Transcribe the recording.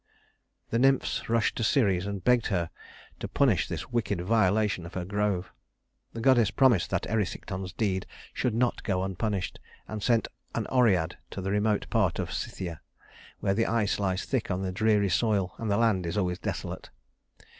The nymphs rushed to Ceres, and begged her to punish this wicked violation of her grove. The goddess promised that Erysichthon's deed should not go unpunished, and sent an Oread to the remote part of Scythia, where the ice lies thick on the dreary soil and the land is always desolate.